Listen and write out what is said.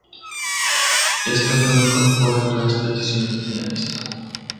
Esta no incorpora las peticiones de amistad.